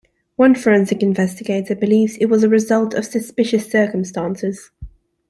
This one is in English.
One Forensic Investigator believes it was a result of suspicious circumstances.